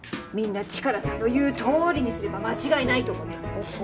みんなチカラさんの言うとおりにすれば間違いないと思ったのに。